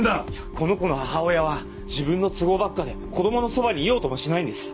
この子の母親は自分の都合ばっかで子供のそばにいようともしないんです。